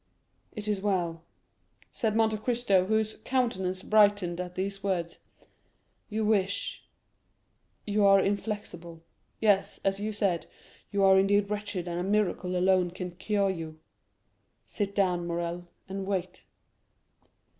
"It is well," said Monte Cristo whose countenance brightened at these words; "you wish it—you are inflexible. Yes, as you said, you are indeed wretched and a miracle alone can cure you. Sit down, Morrel, and wait."